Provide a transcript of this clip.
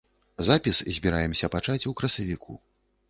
Запіс збіраемся пачаць у красавіку.